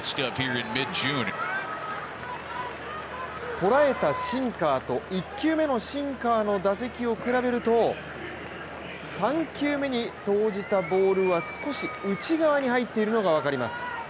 捉えたシンカーと１球目のシンカーの打席を比べると３球目に投じたボールは少し内側に入っているのが分かります。